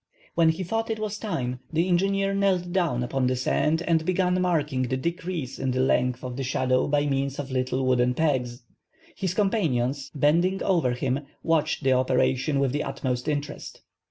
When he thought it was time, the engineer knelt down upon the sand and began marking the decrease in the length of the shadow by means of little wooden pegs. His companions, bending over him, watched the operation with the utmost interest.